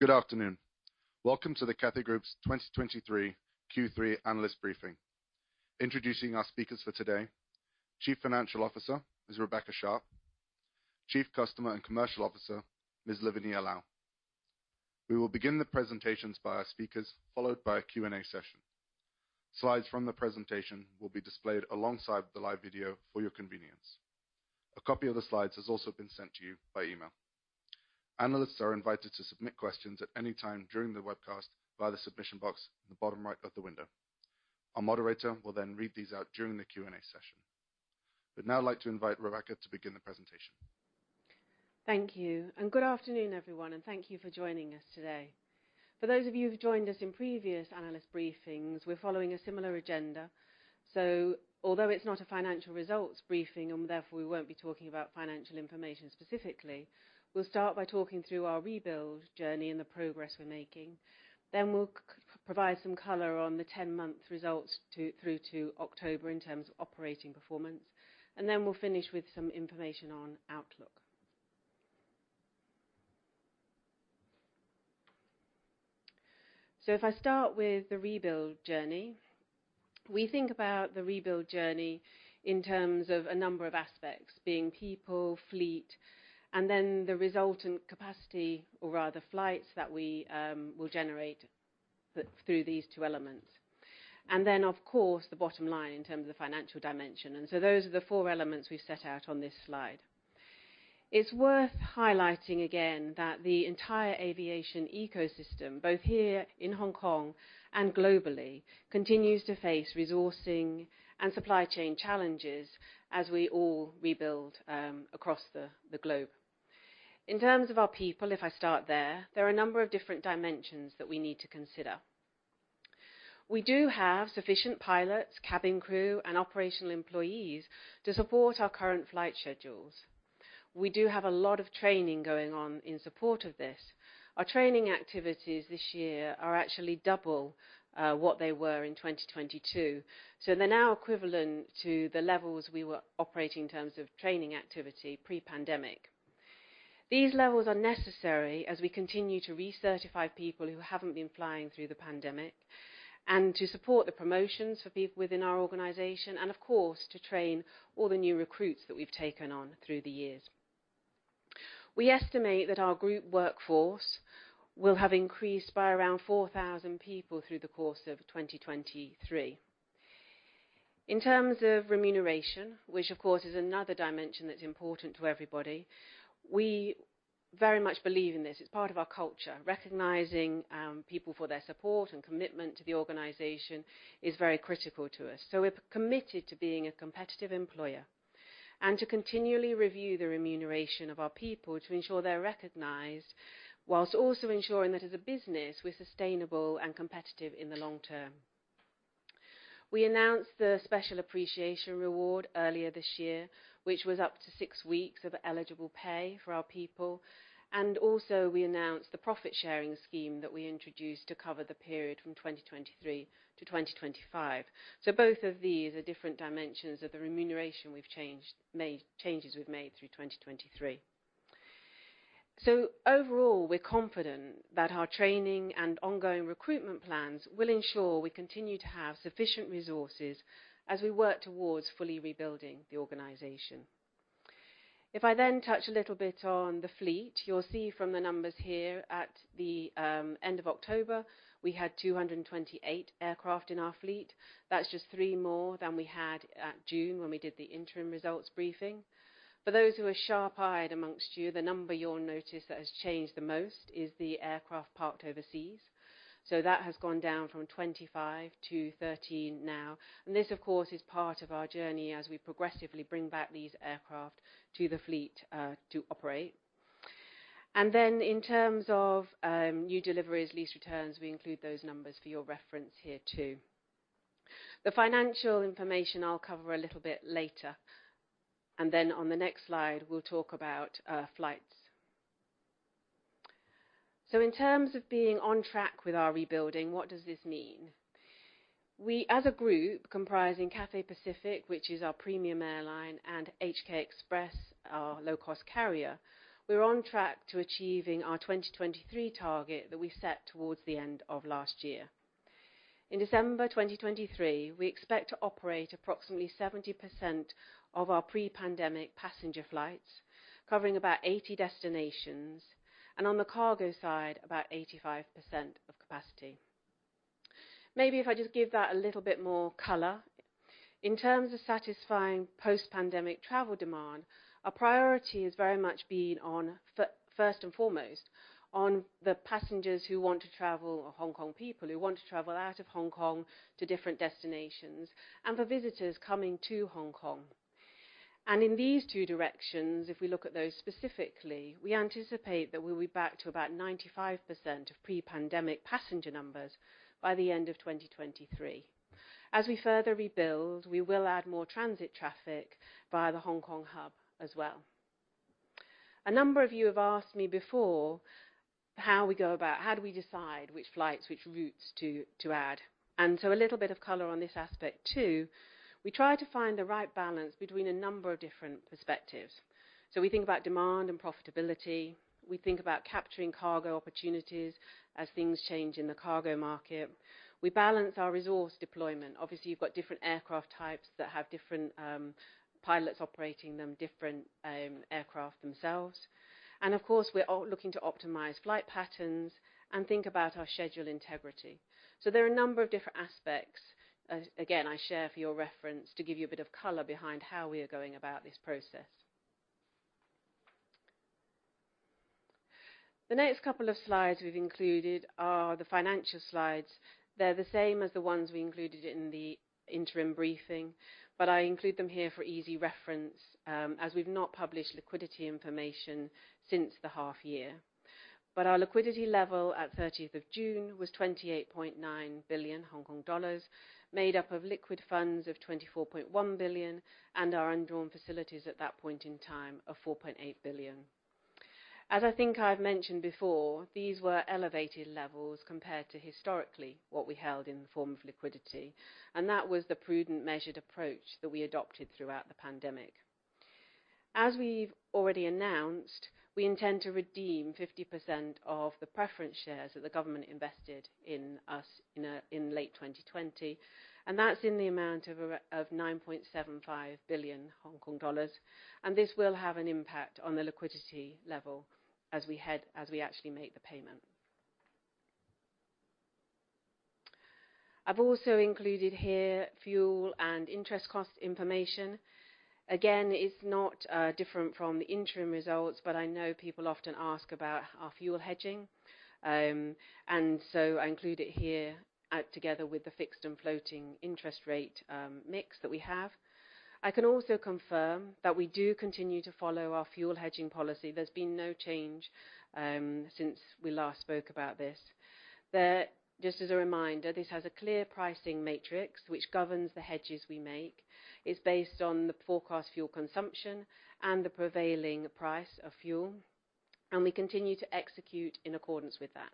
Good afternoon. Welcome to the Cathay Group's 2023 Q3 analyst briefing. Introducing our speakers for today, Chief Financial Officer, Ms. Rebecca Sharpe, Chief Customer and Commercial Officer, Ms. Lavinia Lau. We will begin the presentations by our speakers, followed by a Q&A session. Slides from the presentation will be displayed alongside the live video for your convenience. A copy of the slides has also been sent to you by email. Analysts are invited to submit questions at any time during the webcast via the submission box in the bottom right of the window. Our moderator will then read these out during the Q&A session. We'd now like to invite Rebecca to begin the presentation. Thank you, and good afternoon, everyone, and thank you for joining us today. For those of you who've joined us in previous analyst briefings, we're following a similar agenda. So although it's not a financial results briefing, and therefore we won't be talking about financial information specifically, we'll start by talking through our rebuild journey and the progress we're making. Then we'll provide some color on the ten-month results through to October in terms of operating performance, and then we'll finish with some information on outlook. So if I start with the rebuild journey, we think about the rebuild journey in terms of a number of aspects, being people, fleet, and then the resultant capacity, or rather, flights that we will generate through these two elements. And then, of course, the bottom line in terms of the financial dimension. Those are the four elements we've set out on this slide. It's worth highlighting again that the entire aviation ecosystem, both here in Hong Kong and globally, continues to face resourcing and supply chain challenges as we all rebuild across the globe. In terms of our people, if I start there, there are a number of different dimensions that we need to consider. We do have sufficient pilots, cabin crew and operational employees to support our current flight schedules. We do have a lot of training going on in support of this. Our training activities this year are actually double what they were in 2022, so they're now equivalent to the levels we were operating in terms of training activity pre-pandemic. These levels are necessary as we continue to recertify people who haven't been flying through the pandemic, and to support the promotions for people within our organization, and of course, to train all the new recruits that we've taken on through the years. We estimate that our group workforce will have increased by around 4,000 people through the course of 2023. In terms of remuneration, which of course is another dimension that's important to everybody, we very much believe in this. It's part of our culture. Recognizing people for their support and commitment to the organization is very critical to us. So we're committed to being a competitive employer and to continually review the remuneration of our people to ensure they're recognized, whilst also ensuring that as a business, we're sustainable and competitive in the long term. We announced the Special Appreciation Reward earlier this year, which was up to six weeks of eligible pay for our people, and also we announced the profit-sharing scheme that we introduced to cover the period from 2023 to 2025. So both of these are different dimensions of the remuneration we've changed, changes we've made through 2023. So overall, we're confident that our training and ongoing recruitment plans will ensure we continue to have sufficient resources as we work towards fully rebuilding the organization. If I then touch a little bit on the fleet, you'll see from the numbers here, at the end of October, we had 228 aircraft in our fleet. That's just three more than we had at June when we did the interim results briefing. For those who are sharp-eyed amongst you, the number you'll notice that has changed the most is the aircraft parked overseas. So that has gone down from 25 to 13 now, and this, of course, is part of our journey as we progressively bring back these aircraft to the fleet, to operate. And then in terms of, new deliveries, lease returns, we include those numbers for your reference here, too. The financial information I'll cover a little bit later, and then on the next slide, we'll talk about, flights. So in terms of being on track with our rebuilding, what does this mean? We, as a group, comprising Cathay Pacific, which is our premium airline, and HK Express, our low-cost carrier, we're on track to achieving our 2023 target that we set towards the end of last year. In December 2023, we expect to operate approximately 70% of our pre-pandemic passenger flights, covering about 80 destinations, and on the cargo side, about 85% of capacity. Maybe if I just give that a little bit more color. In terms of satisfying post-pandemic travel demand, our priority has very much been on first and foremost, on the passengers who want to travel, or Hong Kong people who want to travel out of Hong Kong to different destinations, and for visitors coming to Hong Kong. In these two directions, if we look at those specifically, we anticipate that we'll be back to about 95% of pre-pandemic passenger numbers by the end of 2023. As we further rebuild, we will add more transit traffic via the Hong Kong hub as well. A number of you have asked me before, how we go about, how do we decide which flights, which routes to add? And so a little bit of color on this aspect, too. We try to find the right balance between a number of different perspectives. So we think about demand and profitability. We think about capturing cargo opportunities as things change in the cargo market. We balance our resource deployment. Obviously, you've got different aircraft types that have different pilots operating them, different aircraft themselves. And of course, we're looking to optimize flight patterns and think about our schedule integrity. So there are a number of different aspects, again, I share for your reference, to give you a bit of color behind how we are going about this process. The next couple of slides we've included are the financial slides. They're the same as the ones we included in the interim briefing, but I include them here for easy reference, as we've not published liquidity information since the half year. But our liquidity level at 30th of June was 28.9 billion Hong Kong dollars, made up of liquid funds of 24.1 billion, and our undrawn facilities at that point in time of 4.8 billion. As I think I've mentioned before, these were elevated levels compared to historically, what we held in the form of liquidity, and that was the prudent, measured approach that we adopted throughout the pandemic. As we've already announced, we intend to redeem 50% of the preference shares that the government invested in us in late 2020, and that's in the amount of 9.75 billion Hong Kong dollars. This will have an impact on the liquidity level as we actually make the payment. I've also included here fuel and interest cost information. Again, it's not different from the interim results, but I know people often ask about our fuel hedging. And so I include it here, together with the fixed and floating interest rate mix that we have. I can also confirm that we do continue to follow our fuel hedging policy. There's been no change since we last spoke about this. But just as a reminder, this has a clear pricing matrix, which governs the hedges we make. It's based on the forecast fuel consumption and the prevailing price of fuel, and we continue to execute in accordance with that.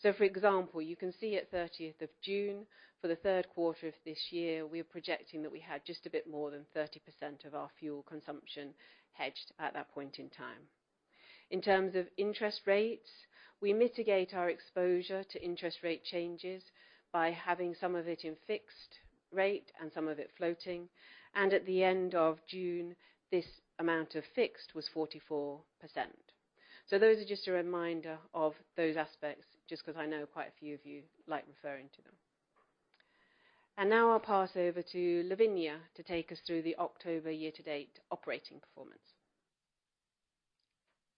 So for example, you can see at 30th of June, for the third quarter of this year, we are projecting that we had just a bit more than 30% of our fuel consumption hedged at that point in time. In terms of interest rates, we mitigate our exposure to interest rate changes by having some of it in fixed rate and some of it floating. And at the end of June, this amount of fixed was 44%. So those are just a reminder of those aspects, just 'cause I know quite a few of you like referring to them. And now I'll pass over to Lavinia to take us through the October year-to-date operating performance.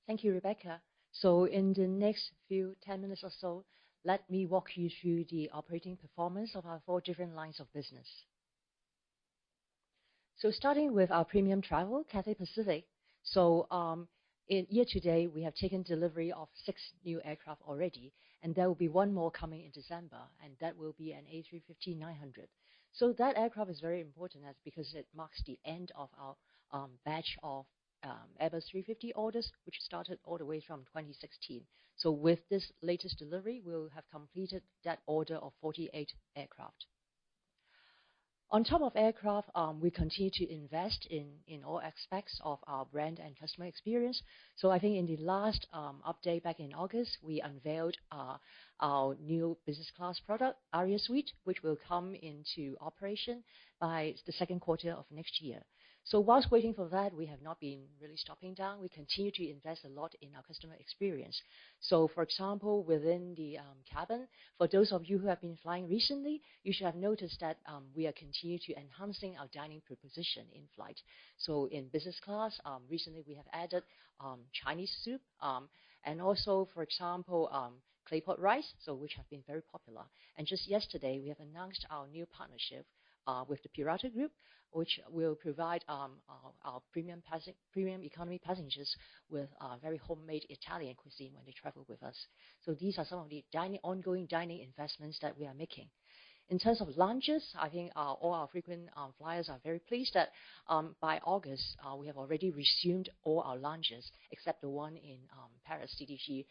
Thank you, Rebecca. So in the next few, 10 minutes or so, let me walk you through the operating performance of our four different lines of business. So starting with our premium travel, Cathay Pacific. So, in year to date, we have taken delivery of six new aircraft already, and there will be one more coming in December, and that will be an A350-900. So that aircraft is very important as, because it marks the end of our, batch of, Airbus A350 orders, which started all the way from 2016. So with this latest delivery, we'll have completed that order of 48 aircraft. On top of aircraft, we continue to invest in, in all aspects of our brand and customer experience. So I think in the last update back in August, we unveiled our new business class product, Aria Suite, which will come into operation by the second quarter of next year. While waiting for that, we have not been really stopping down. We continue to invest a lot in our customer experience. For example, within the cabin, for those of you who have been flying recently, you should have noticed that we are continuing to enhance our dining proposition in flight. In business class, recently we have added Chinese soup and also, for example, clay pot rice, which have been very popular. Just yesterday, we have announced our new partnership with the Pirata Group, which will provide our premium economy passengers with very homemade Italian cuisine when they travel with us. So these are some of the dining, ongoing dining investments that we are making. In terms of lounges, I think all our frequent flyers are very pleased that by August we have already resumed all our lounges, except the one in Paris CDG,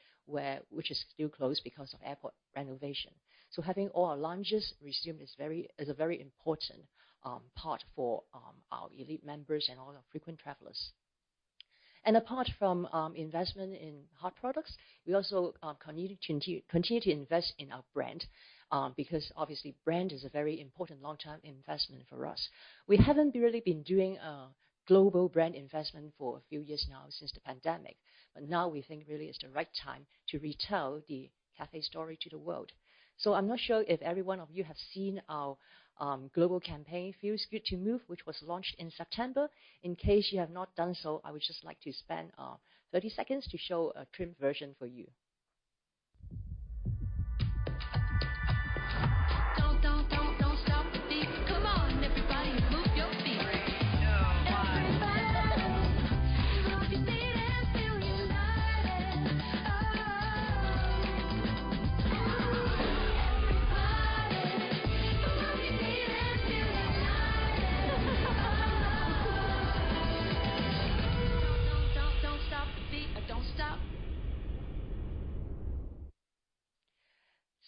which is still closed because of airport renovation. So having all our lounges resumed is a very important part for our elite members and all our frequent travelers. And apart from investment in hard products, we also continue to invest in our brand because obviously, brand is a very important long-term investment for us. We haven't really been doing a global brand investment for a few years now, since the pandemic, but now we think really is the right time to retell the Cathay story to the world. So I'm not sure if every one of you have seen our global campaign, Feels Good To Move, which was launched in September. In case you have not done so, I would just like to spend 30 seconds to show a trimmed version for you.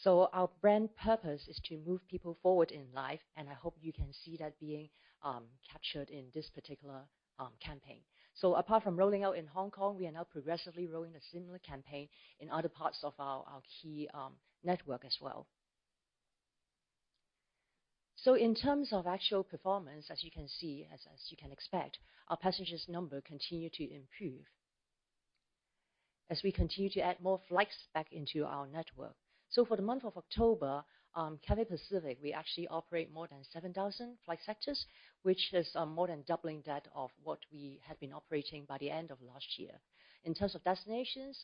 So our brand purpose is to move people forward in life, and I hope you can see that being captured in this particular campaign. So apart from rolling out in Hong Kong, we are now progressively rolling a similar campaign in other parts of our key network as well. So in terms of actual performance, as you can see, as you can expect, our passengers number continue to improve as we continue to add more flights back into our network. So for the month of October, Cathay Pacific, we actually operate more than 7,000 flight sectors, which is more than doubling that of what we had been operating by the end of last year. In terms of destinations,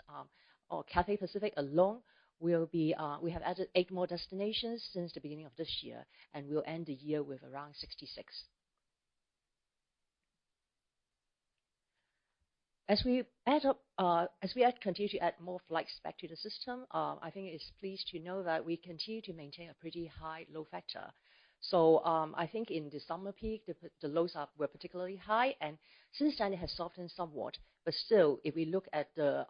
our Cathay Pacific alone will be—we have added eight more destinations since the beginning of this year, and we'll end the year with around 66. As we continue to add more flights back to the system, I think it is pleased to know that we continue to maintain a pretty high load factor. So, I think in the summer peak, the loads were particularly high, and since then it has softened somewhat. But still, if we look at the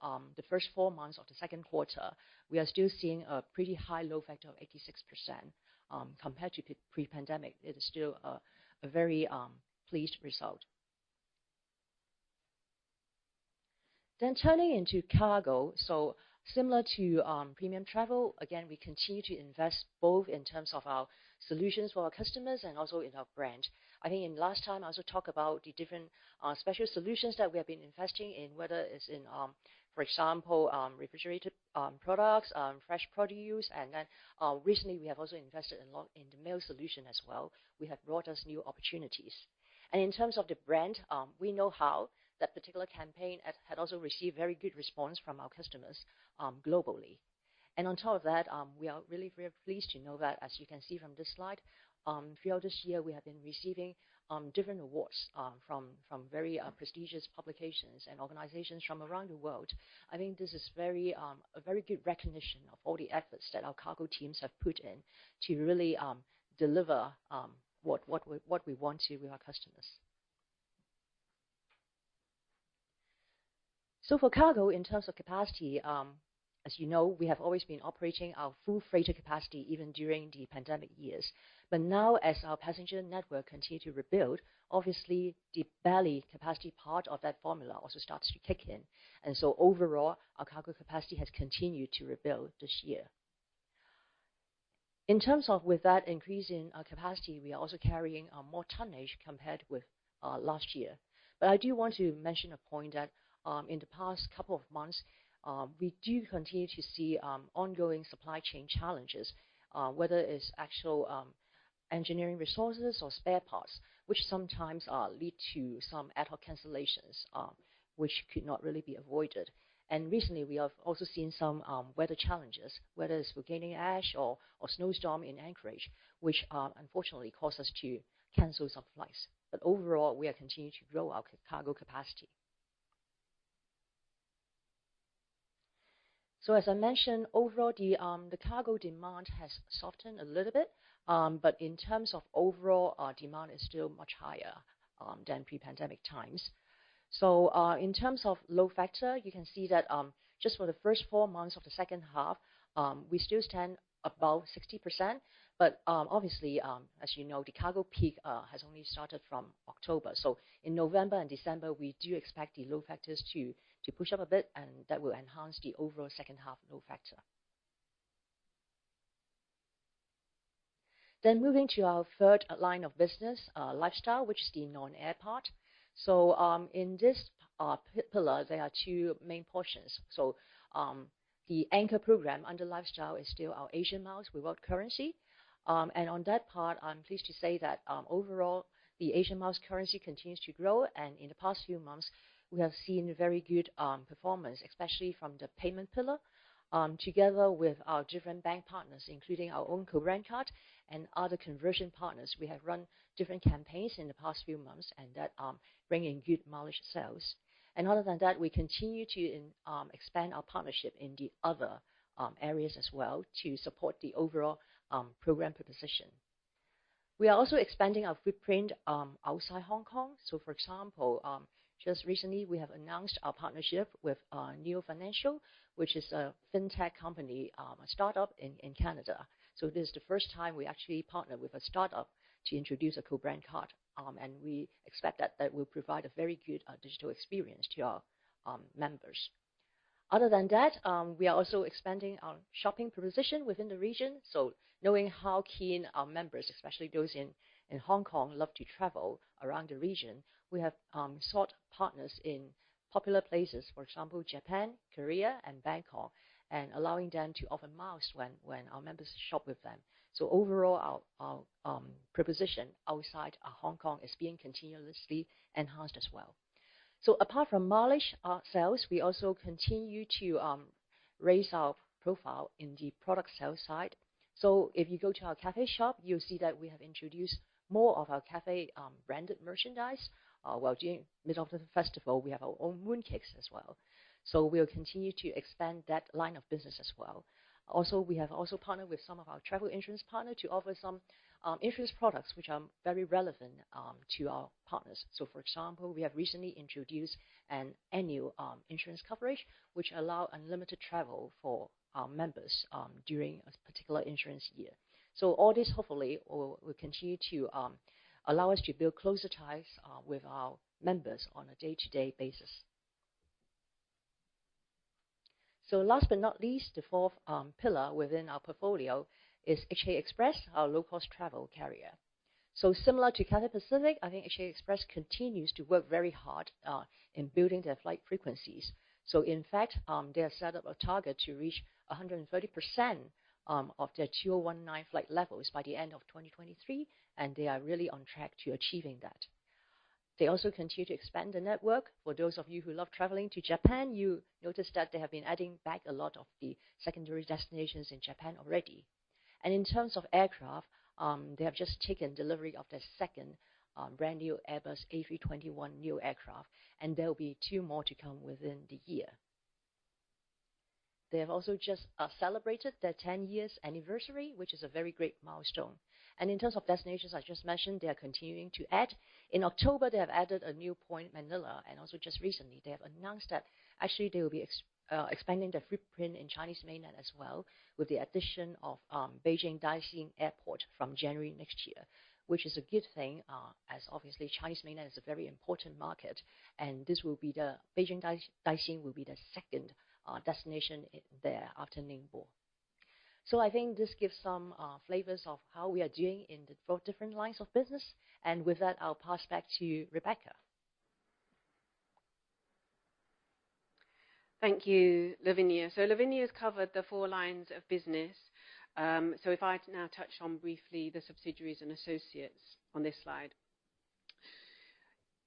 first four months of the second quarter, we are still seeing a pretty high load factor of 86%. Compared to pre-pandemic, it is still a very pleased result. Then turning into cargo. So similar to premium travel, again, we continue to invest both in terms of our solutions for our customers and also in our brand. I think in last time, I also talked about the different special solutions that we have been investing in, whether it's in, for example, refrigerated products, fresh produce. And then, recently, we have also invested a lot in the mail solution as well, which have brought us new opportunities. And in terms of the brand, we know how that particular campaign had also received very good response from our customers, globally. And on top of that, we are really very pleased to know that, as you can see from this slide, throughout this year, we have been receiving different awards from very prestigious publications and organizations from around the world. I think this is a very good recognition of all the efforts that our cargo teams have put in to really deliver what we want to with our customers. So for cargo, in terms of capacity, as you know, we have always been operating our full freighter capacity, even during the pandemic years. But now, as our passenger network continue to rebuild, obviously, the belly capacity part of that formula also starts to kick in. And so overall, our cargo capacity has continued to rebuild this year. In terms of with that increase in our capacity, we are also carrying more tonnage compared with last year. But I do want to mention a point that, in the past couple of months, we do continue to see, ongoing supply chain challenges, whether it's actual, engineering resources or spare parts, which sometimes, lead to some ad hoc cancellations, which could not really be avoided. And recently, we have also seen some, weather challenges, whether it's volcano ash or snowstorm in Anchorage, which, unfortunately, caused us to cancel some flights. But overall, we are continuing to grow our cargo capacity. So as I mentioned, overall, the cargo demand has softened a little bit. But in terms of overall, our demand is still much higher, than pre-pandemic times. So, in terms of load factor, you can see that, just for the first four months of the second half, we still stand above 60%. But, obviously, as you know, the cargo peak has only started from October. So in November and December, we do expect the load factors to push up a bit, and that will enhance the overall second half load factor. Then moving to our third line of business, lifestyle, which is the non-air part. So, in this pillar, there are two main portions. So, the anchor program under lifestyle is still our Asia Miles reward currency. And on that part, I'm pleased to say that, overall, the Asia Miles currency continues to grow, and in the past few months, we have seen very good performance, especially from the payment pillar. Together with our different bank partners, including our own co-brand card and other conversion partners, we have run different campaigns in the past few months, and that bring in good mileage sales. And other than that, we continue to expand our partnership in the other areas as well to support the overall program proposition. We are also expanding our footprint outside Hong Kong. So for example, just recently, we have announced our partnership with Neo Financial, which is a fintech company, a startup in Canada. So this is the first time we actually partnered with a startup to introduce a co-brand card, and we expect that that will provide a very good digital experience to our members. Other than that, we are also expanding our shopping proposition within the region. So knowing how keen our members, especially those in Hong Kong, love to travel around the region, we have sought partners in popular places, for example, Japan, Korea and Bangkok, and allowing them to offer miles when our members shop with them. So overall, our proposition outside of Hong Kong is being continuously enhanced as well. So apart from mileage sales, we also continue to raise our profile in the product sales side. So if you go to our Cathay Shop, you'll see that we have introduced more of our Cathay branded merchandise. While during Mid-Autumn Festival, we have our own mooncakes as well. So we'll continue to expand that line of business as well. Also, we have also partnered with some of our travel insurance partner to offer some insurance products, which are very relevant to our partners. So for example, we have recently introduced an annual insurance coverage, which allow unlimited travel for our members during a particular insurance year. So all this, hopefully, will continue to allow us to build closer ties with our members on a day-to-day basis. So last but not least, the fourth pillar within our portfolio is HK Express, our low-cost travel carrier. So similar to Cathay Pacific, I think HK Express continues to work very hard in building their flight frequencies. So in fact, they have set up a target to reach 130% of their 2019 flight levels by the end of 2023, and they are really on track to achieving that. They also continue to expand the network. For those of you who love traveling to Japan, you notice that they have been adding back a lot of the secondary destinations in Japan already. In terms of aircraft, they have just taken delivery of their second brand-new Airbus A321neo aircraft, and there will be two more to come within the year. They have also just celebrated their 10-year anniversary, which is a very great milestone. In terms of destinations, I just mentioned, they are continuing to add. In October, they have added a new point, Manila, and also just recently, they have announced that actually they will be expanding their footprint in Chinese mainland as well, with the addition of Beijing Daxing Airport from January next year. Which is a good thing, as obviously, Chinese mainland is a very important market, and this will be the—Beijing Daxing will be the second destination there after Ningbo. So I think this gives some flavors of how we are doing in the four different lines of business. And with that, I'll pass back to Rebecca. Thank you, Lavinia. So Lavinia has covered the four lines of business. So if I'd now touch on briefly the subsidiaries and associates on this slide.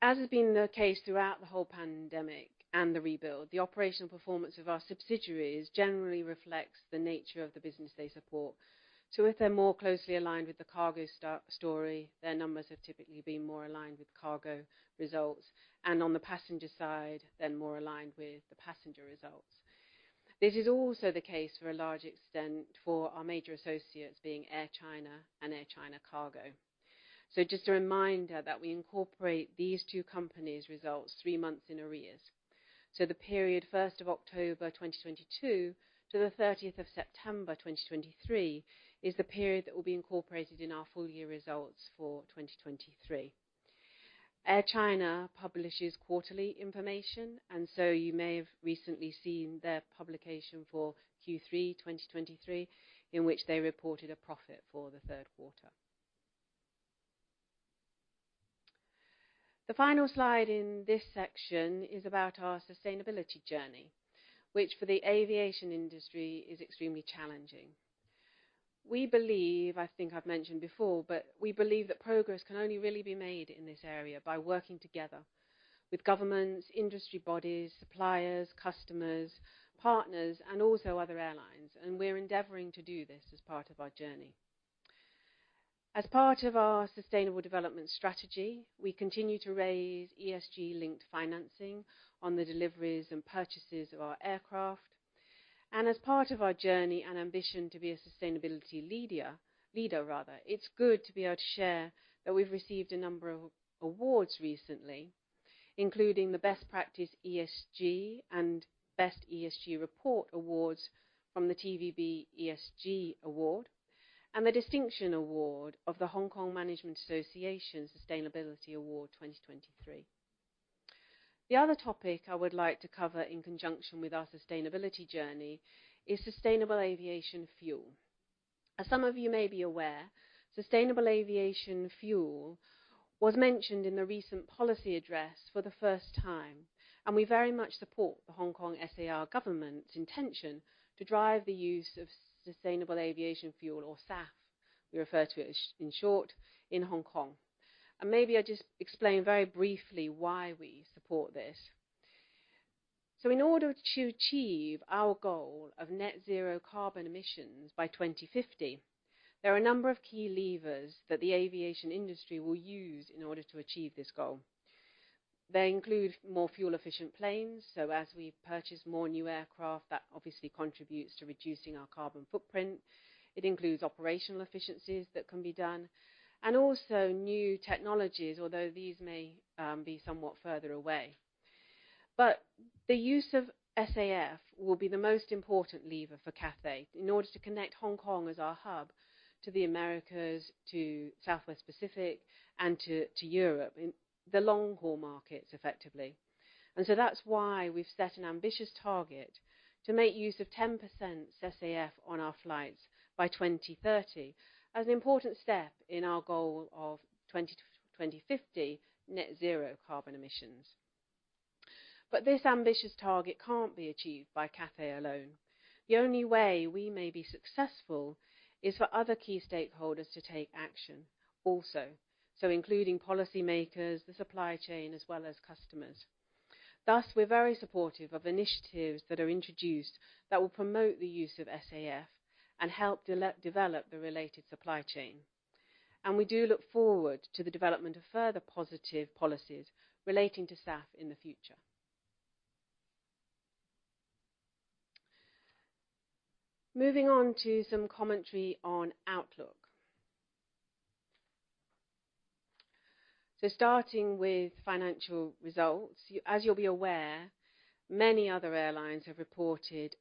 As has been the case throughout the whole pandemic and the rebuild, the operational performance of our subsidiaries generally reflects the nature of the business they support. So if they're more closely aligned with the cargo story, their numbers have typically been more aligned with cargo results, and on the passenger side, they're more aligned with the passenger results. This is also the case to a large extent for our major associates, being Air China and Air China Cargo. So just a reminder that we incorporate these two companies' results three months in arrears. So the period first of October 2022 to the thirtieth of September 2023, is the period that will be incorporated in our full year results for 2023. Air China publishes quarterly information, and so you may have recently seen their publication for Q3 2023, in which they reported a profit for the third quarter. The final slide in this section is about our sustainability journey, which, for the aviation industry, is extremely challenging. We believe, I think I've mentioned before, but we believe that progress can only really be made in this area by working together with governments, industry bodies, suppliers, customers, partners, and also other airlines, and we're endeavoring to do this as part of our journey. As part of our sustainable development strategy, we continue to raise ESG-linked financing on the deliveries and purchases of our aircraft. As part of our journey and ambition to be a sustainability leader rather, it's good to be able to share that we've received a number of awards recently, including the Best Practice ESG and Best ESG Report awards from the TVB ESG Awards, and the Distinction Award of the Hong Kong Management Association Sustainability Award 2023. The other topic I would like to cover in conjunction with our sustainability journey is sustainable aviation fuel. As some of you may be aware, sustainable aviation fuel was mentioned in the recent policy address for the first time, and we very much support the Hong Kong SAR government's intention to drive the use of sustainable aviation fuel or SAF, we refer to it as, in short, in Hong Kong. Maybe I just explain very briefly why we support this. In order to achieve our goal of net zero carbon emissions by 2050, there are a number of key levers that the aviation industry will use in order to achieve this goal. They include more fuel-efficient planes, so as we purchase more new aircraft, that obviously contributes to reducing our carbon footprint. It includes operational efficiencies that can be done, and also new technologies, although these may be somewhat further away. The use of SAF will be the most important lever for Cathay in order to connect Hong Kong as our hub to the Americas, to Southwest Pacific, and to Europe, in the long-haul markets, effectively. That's why we've set an ambitious target to make use of 10% SAF on our flights by 2030, as an important step in our goal of 2050 net zero carbon emissions. But this ambitious target can't be achieved by Cathay alone. The only way we may be successful is for other key stakeholders to take action also, so including policymakers, the supply chain, as well as customers. Thus, we're very supportive of initiatives that are introduced that will promote the use of SAF and help develop the related supply chain. And we do look forward to the development of further positive policies relating to SAF in the future. Moving on to some commentary on outlook. So starting with financial results, as you'll be aware, many other airlines have reported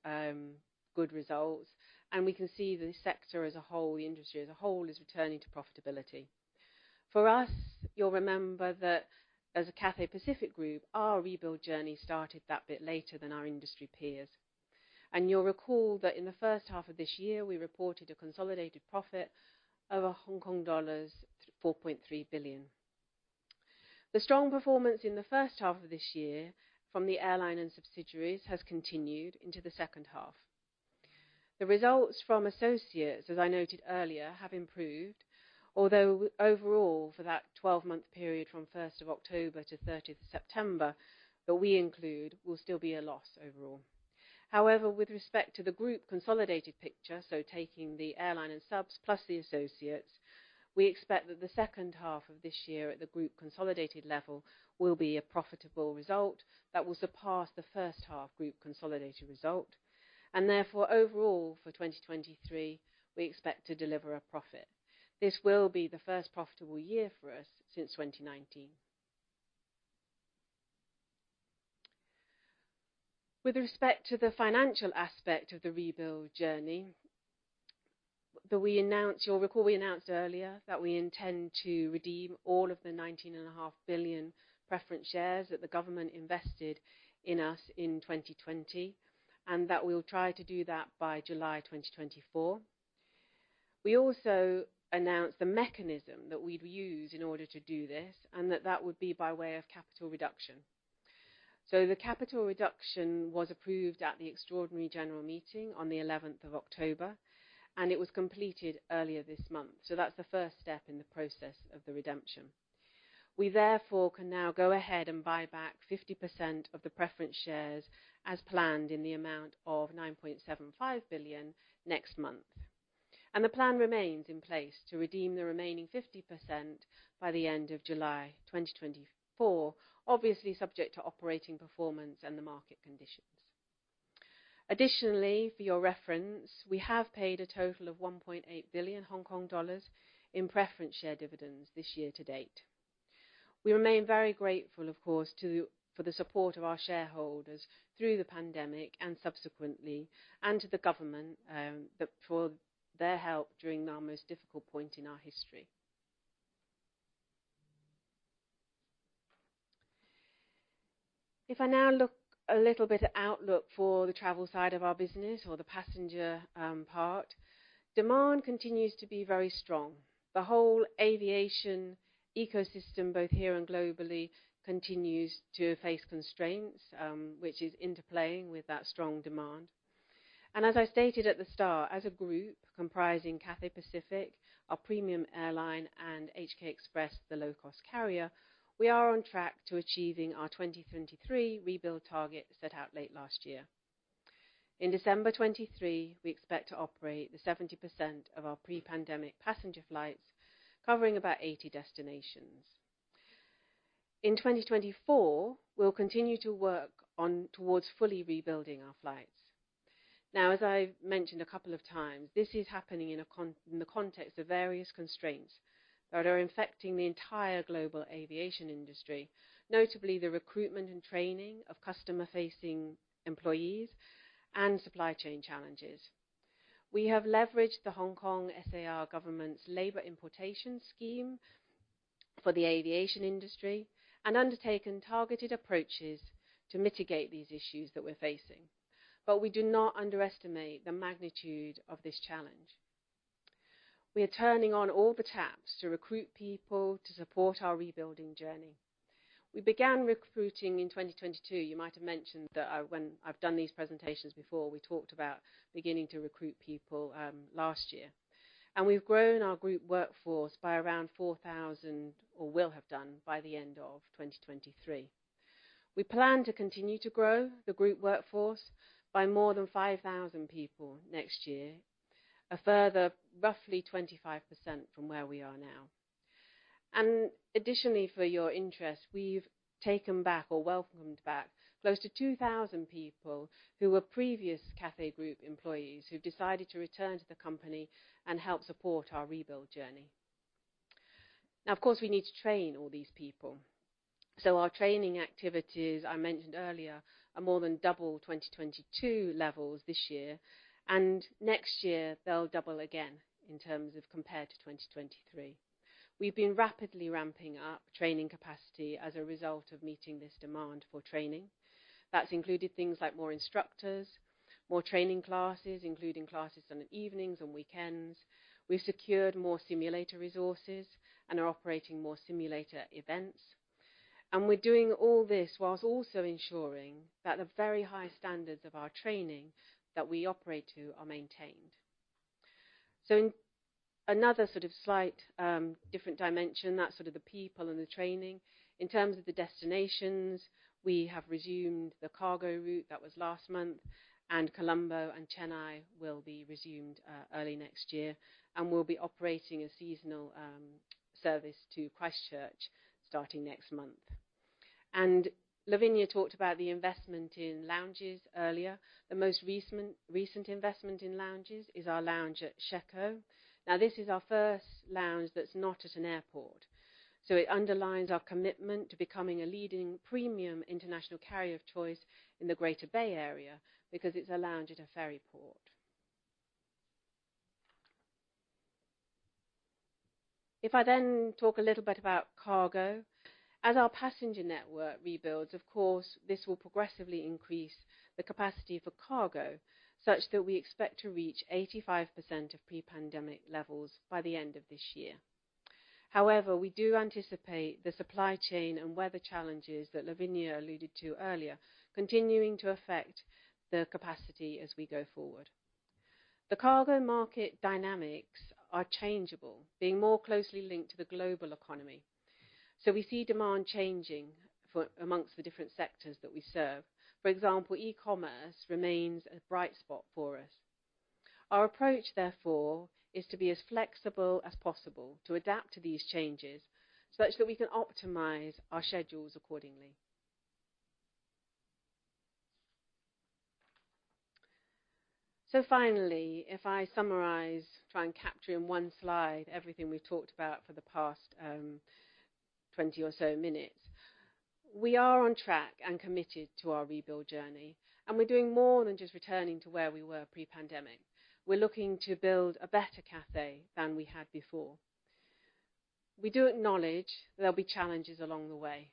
good results, and we can see the sector as a whole, the industry as a whole, is returning to profitability. For us, you'll remember that as a Cathay Pacific group, our rebuild journey started that bit later than our industry peers. You'll recall that in the first half of this year, we reported a consolidated profit of Hong Kong dollars 4.3 billion. The strong performance in the first half of this year from the airline and subsidiaries has continued into the second half. The results from associates, as I noted earlier, have improved, although overall, for that 12-month period from October 1 to September 30 that we include, will still be a loss overall. However, with respect to the group consolidated picture, so taking the airline and subs, plus the associates, we expect that the second half of this year at the group consolidated level will be a profitable result that will surpass the first half group consolidated result. And therefore, overall, for 2023, we expect to deliver a profit. This will be the first profitable year for us since 2019. With respect to the financial aspect of the rebuild journey that we announced. You'll recall, we announced earlier that we intend to redeem all of the 19.5 billion preference shares that the government invested in us in 2020, and that we'll try to do that by July 2024. We also announced the mechanism that we'd use in order to do this, and that that would be by way of capital reduction. So the capital reduction was approved at the extraordinary general meeting on the 11th of October, and it was completed earlier this month. So that's the first step in the process of the redemption. We, therefore, can now go ahead and buy back 50% of the preference shares as planned, in the amount of 9.75 billion next month. The plan remains in place to redeem the remaining 50% by the end of July 2024, obviously subject to operating performance and the market conditions. Additionally, for your reference, we have paid a total of 1.8 billion Hong Kong dollars in preference share dividends this year to date. We remain very grateful, of course, to for the support of our shareholders through the pandemic and subsequently, and to the government that for their help during our most difficult point in our history. If I now look a little bit at outlook for the travel side of our business or the passenger part, demand continues to be very strong. The whole aviation ecosystem, both here and globally, continues to face constraints which is interplaying with that strong demand. As I stated at the start, as a group comprising Cathay Pacific, our premium airline, and HK Express, the low-cost carrier, we are on track to achieving our 2023 rebuild target set out late last year. In December 2023, we expect to operate 70% of our pre-pandemic passenger flights, covering about 80 destinations. In 2024, we'll continue to work on, towards fully rebuilding our flights. Now, as I've mentioned a couple of times, this is happening in the context of various constraints that are affecting the entire global aviation industry, notably the recruitment and training of customer-facing employees and supply chain challenges. We have leveraged the Hong Kong SAR government's Labour Importation Scheme for the aviation industry and undertaken targeted approaches to mitigate these issues that we're facing. We do not underestimate the magnitude of this challenge. We are turning on all the taps to recruit people to support our rebuilding journey. We began recruiting in 2022. You might have mentioned that, when I've done these presentations before, we talked about beginning to recruit people, last year. We've grown our group workforce by around 4,000, or will have done by the end of 2023. We plan to continue to grow the group workforce by more than 5,000 people next year, a further, roughly 25% from where we are now. Additionally, for your interest, we've taken back or welcomed back close to 2,000 people who were previous Cathay Group employees, who've decided to return to the company and help support our rebuild journey. Now, of course, we need to train all these people. So our training activities, I mentioned earlier, are more than double 2022 levels this year, and next year they'll double again in terms of compared to 2023. We've been rapidly ramping up training capacity as a result of meeting this demand for training. That's included things like more instructors, more training classes, including classes on the evenings and weekends. We've secured more simulator resources and are operating more simulator events. And we're doing all this whilst also ensuring that the very high standards of our training that we operate to are maintained. So in another sort of slight, different dimension, that's sort of the people and the training. In terms of the destinations, we have resumed the cargo route, that was last month, and Colombo and Chennai will be resumed early next year, and we'll be operating a seasonal service to Christchurch starting next month. Lavinia talked about the investment in lounges earlier. The most recent, recent investment in lounges is our lounge at Shekou. Now, this is our first lounge that's not at an airport, so it underlines our commitment to becoming a leading premium international carrier of choice in the Greater Bay Area, because it's a lounge at a ferry port. If I then talk a little bit about cargo. As our passenger network rebuilds, of course, this will progressively increase the capacity for cargo, such that we expect to reach 85% of pre-pandemic levels by the end of this year. However, we do anticipate the supply chain and weather challenges that Lavinia alluded to earlier, continuing to affect the capacity as we go forward. The cargo market dynamics are changeable, being more closely linked to the global economy, so we see demand changing for amongst the different sectors that we serve. For example, e-commerce remains a bright spot for us. Our approach, therefore, is to be as flexible as possible to adapt to these changes, such that we can optimize our schedules accordingly. Finally, if I summarize, try and capture in one slide everything we've talked about for the past 20 or so minutes. We are on track and committed to our rebuild journey, and we're doing more than just returning to where we were pre-pandemic. We're looking to build a better Cathay than we had before. We do acknowledge there'll be challenges along the way,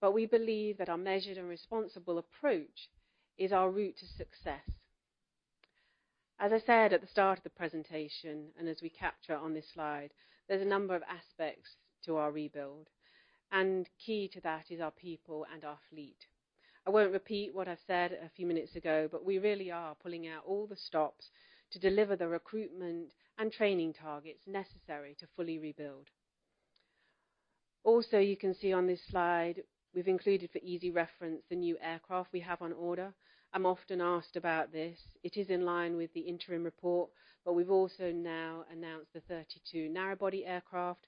but we believe that our measured and responsible approach is our route to success. As I said at the start of the presentation, and as we capture on this slide, there's a number of aspects to our rebuild, and key to that is our people and our fleet. I won't repeat what I've said a few minutes ago, but we really are pulling out all the stops to deliver the recruitment and training targets necessary to fully rebuild. Also, you can see on this slide, we've included, for easy reference, the new aircraft we have on order. I'm often asked about this. It is in line with the interim report, but we've also now announced the 32 narrow-body aircraft.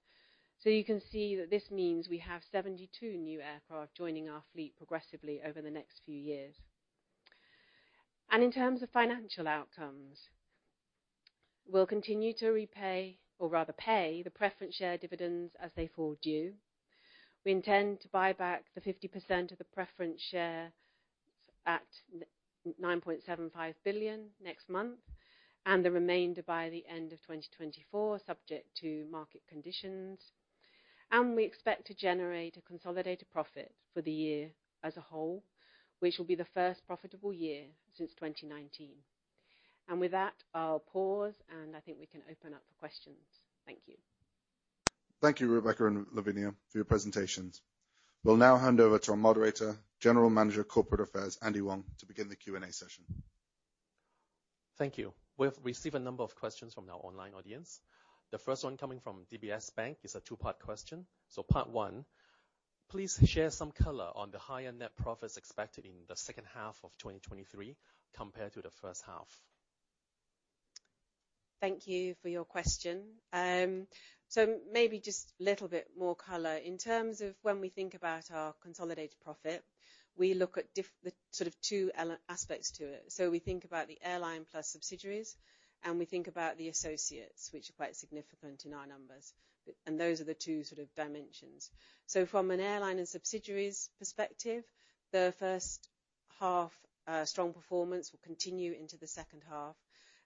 So you can see that this means we have 72 new aircraft joining our fleet progressively over the next few years. In terms of financial outcomes, we'll continue to repay, or rather pay, the Preference share dividends as they fall due. We intend to buy back the 50% of the preference shares at 9.75 billion next month, and the remainder by the end of 2024, subject to market conditions. We expect to generate a consolidated profit for the year as a whole, which will be the first profitable year since 2019. With that, I'll pause, and I think we can open up for questions. Thank you. Thank you, Rebecca and Lavinia, for your presentations. We'll now hand over to our moderator, General Manager, Corporate Affairs, Andy Wong, to begin the Q&A session. Thank you. We've received a number of questions from our online audience. The first one coming from DBS Bank is a two-part question. So part one, please share some color on the higher net profits expected in the second half of 2023 compared to the first half. Thank you for your question. So maybe just a little bit more color. In terms of when we think about our consolidated profit, we look at the sort of two aspects to it. So we think about the airline plus subsidiaries, and we think about the associates, which are quite significant in our numbers, and those are the two sort of dimensions. So from an airline and subsidiaries perspective, the first half, strong performance will continue into the second half.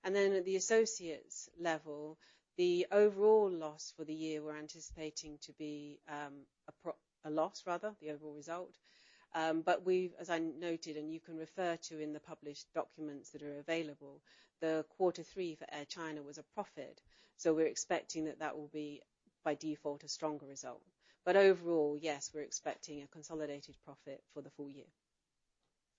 And then at the associates level, the overall loss for the year, we're anticipating to be a loss, rather, the overall result. But we've, as I noted, and you can refer to in the published documents that are available, the quarter three for Air China was a profit, so we're expecting that that will be, by default, a stronger result. But overall, yes, we're expecting a consolidated profit for the full year.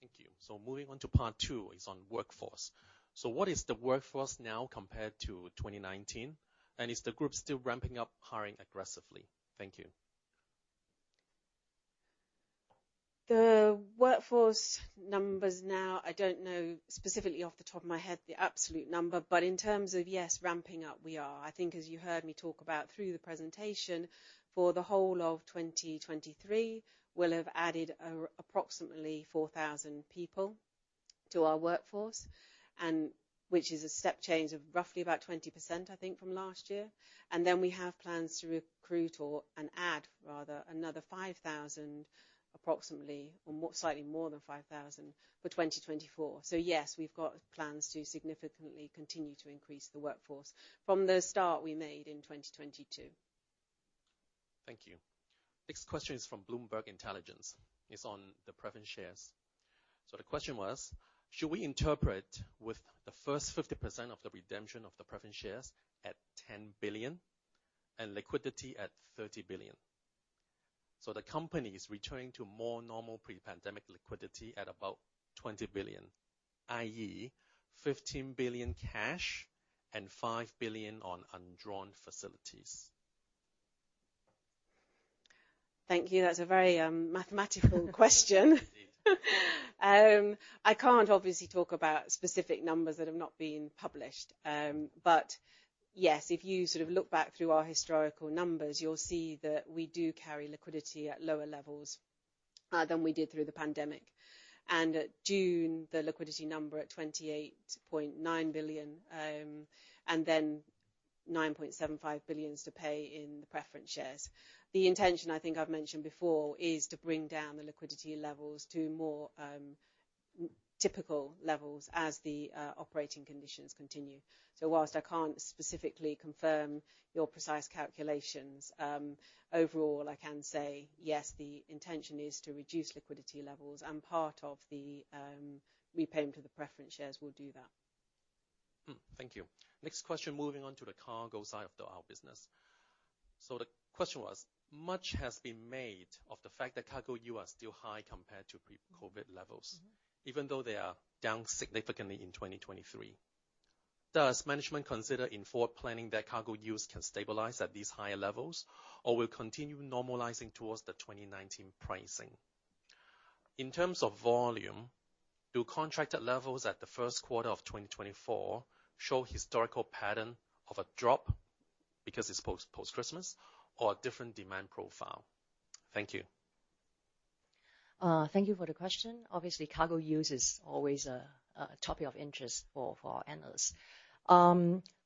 Thank you. So moving on to part two, is on workforce. So what is the workforce now compared to 2019? And is the group still ramping up hiring aggressively? Thank you. The workforce numbers now, I don't know specifically off the top of my head, the absolute number, but in terms of, yes, ramping up, we are. I think, as you heard me talk about through the presentation, for the whole of 2023, we'll have added approximately 4,000 people to our workforce, and which is a step change of roughly about 20%, I think, from last year. And then we have plans to recruit or, and add rather, another 5,000, approximately, or more, slightly more than 5,000 for 2024. So yes, we've got plans to significantly continue to increase the workforce from the start we made in 2022. Thank you. Next question is from Bloomberg Intelligence. It's on the preference shares. So the question was: Should we interpret with the first 50% of the redemption of the preference shares at 10 billion and liquidity at 30 billion? So the company is returning to more normal pre-pandemic liquidity at about 20 billion, i.e., 15 billion cash and 5 billion on undrawn facilities. Thank you. That's a very mathematical question. I can't obviously talk about specific numbers that have not been published. But yes, if you sort of look back through our historical numbers, you'll see that we do carry liquidity at lower levels than we did through the pandemic, and at June, the liquidity number at 28.9 billion and then 9.75 billion to pay in the preference shares. The intention, I think I've mentioned before, is to bring down the liquidity levels to more typical levels as the operating conditions continue. So whilst I can't specifically confirm your precise calculations, overall, I can say yes, the intention is to reduce liquidity levels and part of the repayment to the preference shares will do that. Thank you. Next question, moving on to the cargo side of the, our business. So the question was, much has been made of the fact that cargo yield are still high compared to pre-COVID levels even though they are down significantly in 2023. Does management consider in forward planning that cargo yield can stabilize at these higher levels, or will continue normalizing towards the 2019 pricing? In terms of volume, do contracted levels at the first quarter of 2024 show historical pattern of a drop because it's post-Christmas, or a different demand profile? Thank you. Thank you for the question. Obviously, cargo yields always a topic of interest for our analysts.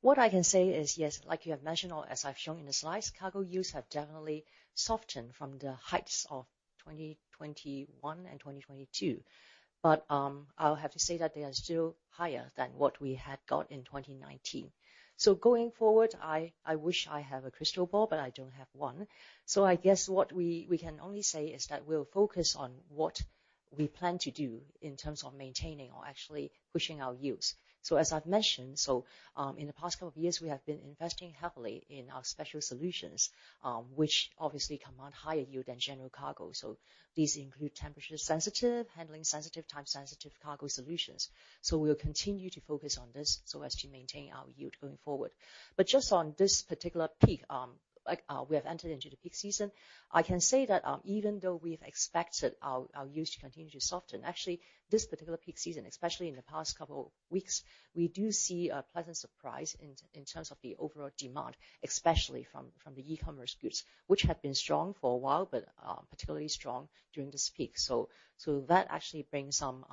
What I can say is, yes, like you have mentioned or as I've shown in the slides, cargo yield have definitely softened from the heights of 2021 and 2022. But, I'll have to say that they are still higher than what we had got in 2019. So going forward, I wish I have a crystal ball, but I don't have one. So I guess what we can only say is that we'll focus on what we plan to do in terms of maintaining or actually pushing our yields. So as I've mentioned, in the past couple of years, we have been investing heavily in our special solutions, which obviously command higher yield than general cargo. So these include temperature sensitive, handling sensitive, time sensitive cargo solutions. So we'll continue to focus on this so as to maintain our yield going forward. But just on this particular peak, like, we have entered into the peak season, I can say that, even though we've expected our, our yield to continue to soften, actually this particular peak season, especially in the past couple of weeks, we do see a pleasant surprise in, in terms of the overall demand, especially from, from the e-commerce goods, which had been strong for a while, but, particularly strong during this peak. So, so that actually brings some,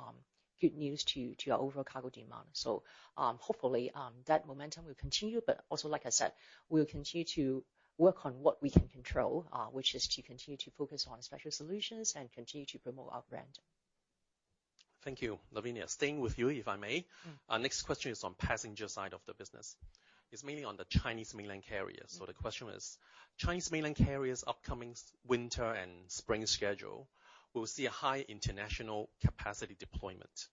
good news to, to our overall cargo demand. So, hopefully, that momentum will continue, but also, like I said, we'll continue to work on what we can control, which is to continue to focus on special solutions and continue to promote our brand. Thank you, Lavinia. Staying with you, if I may. Our next question is on passenger side of the business. It's mainly on the Chinese mainland carriers. The question is, Chinese mainland carriers' upcoming winter and spring schedule will see a high international capacity deployment,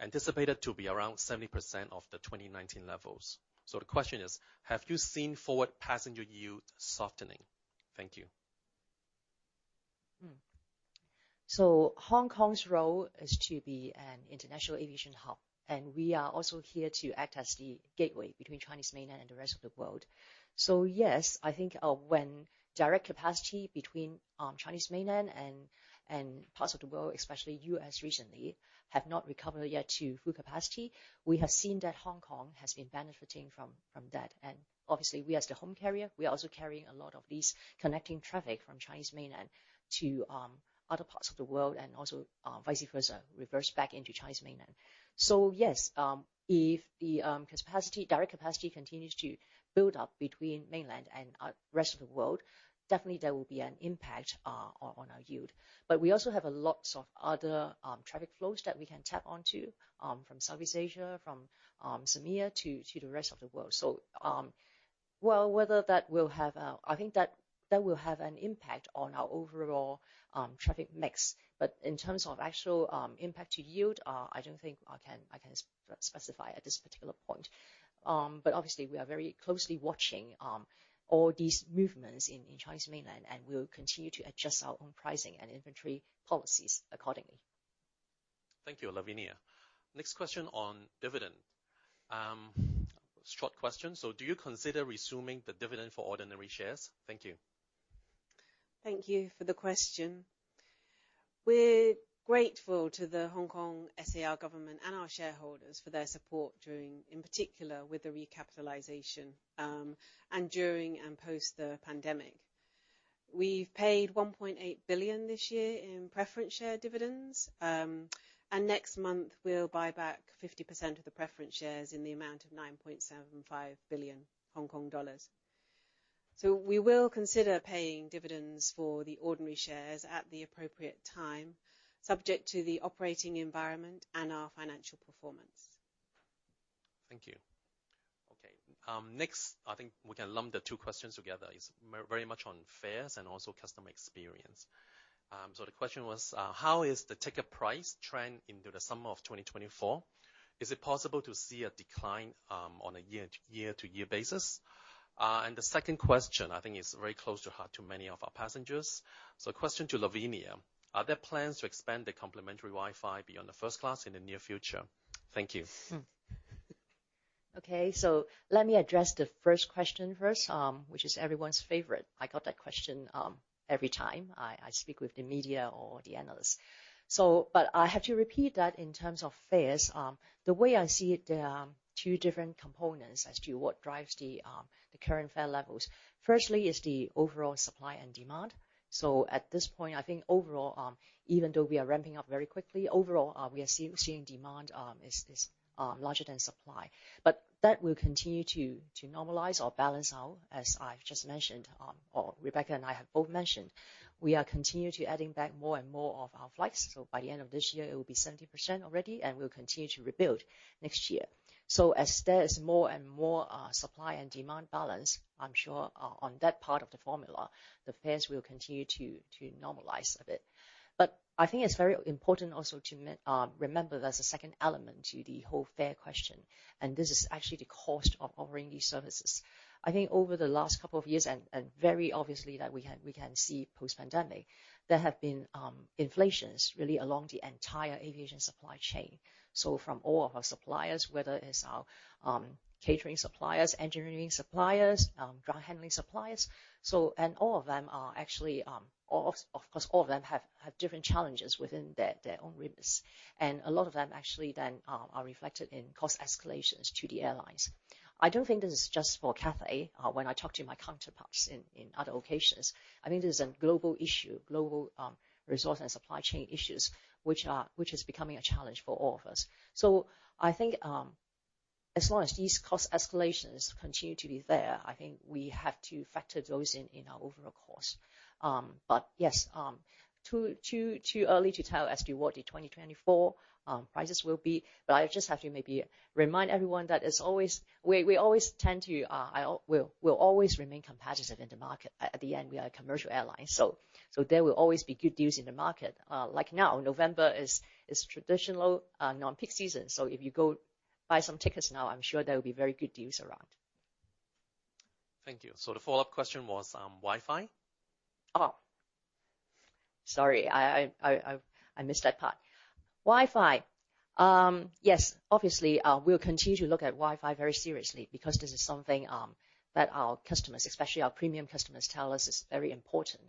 anticipated to be around 70% of the 2019 levels. The question is, have you seen forward passenger yield softening? Thank you. So Hong Kong's role is to be an international aviation hub, and we are also here to act as the gateway between Chinese mainland and the rest of the world. So yes, I think, when direct capacity between Chinese mainland and parts of the world, especially U.S. recently, have not recovered yet to full capacity, we have seen that Hong Kong has been benefiting from that. And obviously, we as the home carrier, we are also carrying a lot of these connecting traffic from Chinese mainland to other parts of the world and also vice versa, reverse back into Chinese mainland. So yes, if the capacity, direct capacity continues to build up between mainland and rest of the world, definitely there will be an impact on our yield. But we also have a lots of other traffic flows that we can tap onto, from Southeast Asia, from SAMEA to the rest of the world. So, well, whether that will have a—I think that will have an impact on our overall traffic mix. But in terms of actual impact to yield, I don't think I can specify at this particular point. But obviously, we are very closely watching all these movements in Chinese mainland, and we'll continue to adjust our own pricing and inventory policies accordingly. Thank you, Lavinia. Next question on dividend. Short question: So do you consider resuming the dividend for ordinary shares? Thank you. Thank you for the question. We're grateful to the Hong Kong SAR government and our shareholders for their support during, in particular, with the recapitalization, and during and post the pandemic. We've paid 1.8 billion this year in preference share dividends, and next month, we'll buy back 50% of the preference shares in the amount of 9.75 billion Hong Kong dollars. So we will consider paying dividends for the ordinary shares at the appropriate time, subject to the operating environment and our financial performance. Thank you. Okay, next, I think we can lump the two questions together, is very much on fares and also customer experience. So the question was, how is the ticket price trend into the summer of 2024? Is it possible to see a decline, on a year-to-year basis? And the second question, I think, is very close to heart to many of our passengers. So question to Lavinia, are there plans to expand the complimentary Wi-Fi beyond the first class in the near future? Thank you. Okay, so let me address the first question first, which is everyone's favorite. I got that question every time I speak with the media or the analysts. So but I have to repeat that in terms of fares, the way I see it, there are two different components as to what drives the current fare levels. Firstly, is the overall supply and demand. So at this point, I think overall, even though we are ramping up very quickly, overall, we are seeing demand is larger than supply. But that will continue to normalize or balance out, as I've just mentioned, or Rebecca and I have both mentioned. We are continuing to add back more and more of our flights, so by the end of this year, it will be 70% already, and we'll continue to rebuild next year. So as there is more and more supply and demand balance, I'm sure on that part of the formula, the fares will continue to normalize a bit. But I think it's very important also to remember, there's a second element to the whole fare question, and this is actually the cost of offering these services. I think over the last couple of years, and very obviously, that we can see post-pandemic, there have been inflations really along the entire aviation supply chain. So from all of our suppliers, whether it's our catering suppliers, engineering suppliers, ground handling suppliers, and all of them are actually, of course, all of them have different challenges within their own realms, and a lot of them actually then are reflected in cost escalations to the airlines. I don't think this is just for Cathay. When I talk to my counterparts in other occasions, I think this is a global issue, global resource and supply chain issues, which is becoming a challenge for all of us. So I think, as long as these cost escalations continue to be there, I think we have to factor those in in our overall cost. But yes, too early to tell as to what the 2024 prices will be. But I just have to maybe remind everyone that it's always—we always tend to, we'll always remain competitive in the market. At the end, we are a commercial airline, so there will always be good deals in the market. Like now, November is traditional non-peak season, so if you go buy some tickets now, I'm sure there will be very good deals around. Thank you. So the follow-up question was, Wi-Fi. Oh, sorry, I missed that part. Wi-Fi. Yes, obviously, we'll continue to look at Wi-Fi very seriously because this is something that our customers, especially our premium customers, tell us is very important,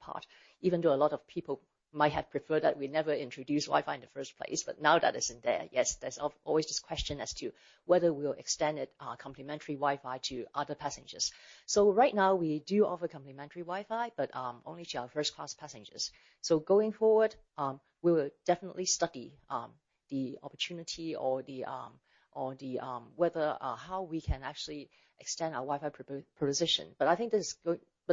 a part, even though a lot of people might have preferred that we never introduced Wi-Fi in the first place, but now that it's in there, yes, there's always this question as to whether we'll extend it, complimentary Wi-Fi, to other passengers. So right now, we do offer complimentary Wi-Fi, but only to our first class passengers. So going forward, we will definitely study the opportunity or whether or how we can actually extend our Wi-Fi proposition. But I think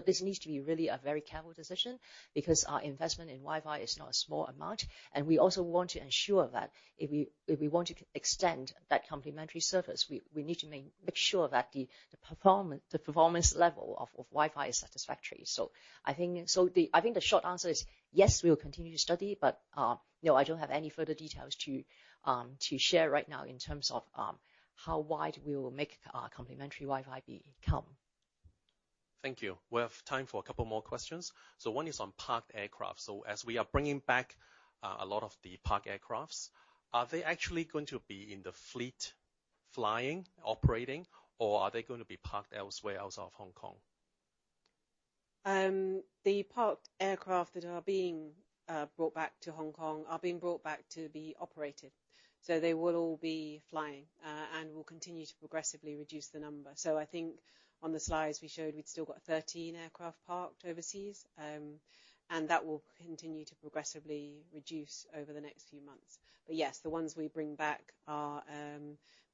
this needs to be really a very careful decision, because our investment in Wi-Fi is not a small amount, and we also want to ensure that if we want to extend that complimentary service, we need to make sure that the performance level of Wi-Fi is satisfactory. I think the short answer is yes, we will continue to study, but no, I don't have any further details to share right now in terms of how wide we will make our complimentary Wi-Fi become. Thank you. We have time for a couple more questions. One is on parked aircraft. As we are bringing back a lot of the parked aircrafts, are they actually going to be in the fleet, flying, operating, or are they going to be parked elsewhere outside of Hong Kong? The parked aircraft that are being brought back to Hong Kong are being brought back to be operated, so they will all be flying, and will continue to progressively reduce the number. So I think on the slides we showed, we'd still got 13 aircraft parked overseas, and that will continue to progressively reduce over the next few months. But yes, the ones we bring back are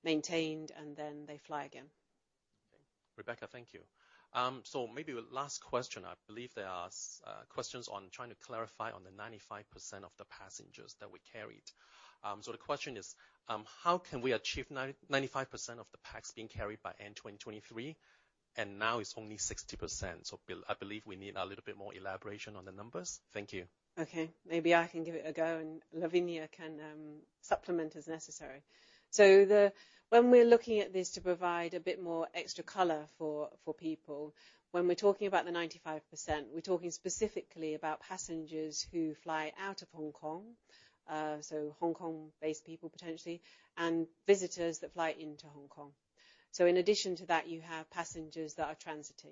maintained, and then they fly again. Okay. Rebecca, thank you. So maybe the last question, I believe there are questions on trying to clarify on the 95% of the passengers that we carried. So the question is, how can we achieve 95% of the passengers being carried by end 2023, and now it's only 60%? I believe we need a little bit more elaboration on the numbers. Thank you. Okay, maybe I can give it a go, and Lavinia can supplement as necessary. So, when we're looking at this to provide a bit more extra color for people, when we're talking about the 95%, we're talking specifically about passengers who fly out of Hong Kong, so Hong Kong-based people, potentially, and visitors that fly into Hong Kong. So in addition to that, you have passengers that are transiting.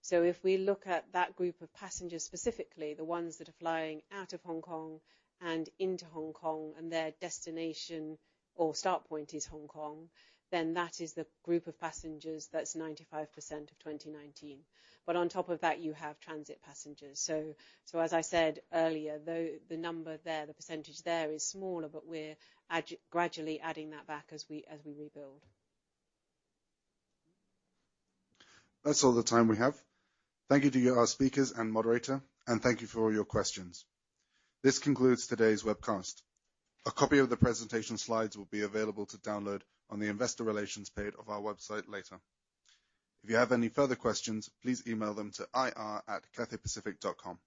So if we look at that group of passengers, specifically the ones that are flying out of Hong Kong and into Hong Kong, and their destination or start point is Hong Kong, then that is the group of passengers that's 95% of 2019. But on top of that, you have transit passengers. So, as I said earlier, though, the number there, the percentage there is smaller, but we're gradually adding that back as we rebuild. That's all the time we have. Thank you to our speakers and moderator, and thank you for all your questions. This concludes today's webcast. A copy of the presentation slides will be available to download on the Investor Relations page of our website later. If you have any further questions, please email them to ir@cathaypacific.com.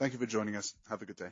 Thank you for joining us. Have a good day.